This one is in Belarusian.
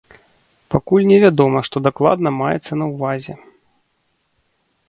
Пакуль невядома, што дакладна маецца на ўвазе.